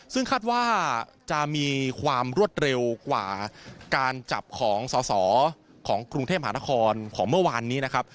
ซึ่งคาดว่าจะมีความรวดเร็วกว่าการจับของสอสอของกรุงเทพหานครของเมื่อวานนี้นะครับ